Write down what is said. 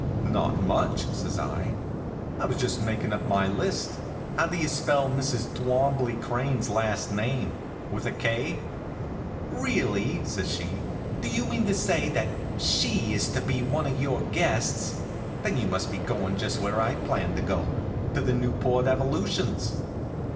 "Not much," says I. "I was just makin' up my list. How do you spell Mrs. Twombley Crane's last name with a k?" "Really!" says she. "Do you mean to say that she is to be one of your guests? Then you must be going just where I'd planned to go to the Newport evolutions?"